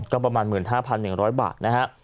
ก็ประมาณหมื่นห้าพันหนึ่งร้อยบาทนะครับ